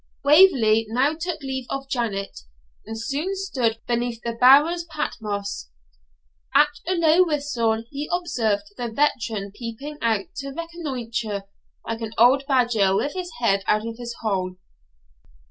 Waverley now took leave of Janet, and soon stood beneath the Baron's Patmos. At a low whistle he observed the veteran peeping out to reconnoitre, like an old badger with his head out of his hole.